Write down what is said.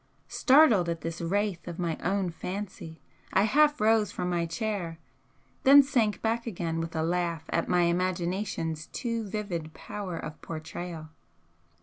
Startled at this wraith of my own fancy, I half rose from my chair then sank back again with a laugh at my imagination's too vivid power of portrayal.